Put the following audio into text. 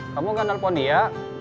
kamu nggak nelfon dia